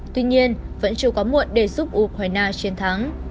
tuy nhiên vẫn chưa có muộn để giúp ukraine chiến thắng